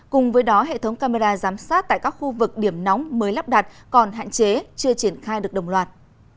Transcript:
cùng với đó hệ thống camera giám sát tại các khu vực điểm nóng mới lắp đặt còn hạn chế chưa triển khai được đồng loạt